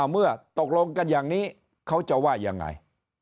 เมื่อตกลงกันอย่างนี้เขาจะว่ายังไง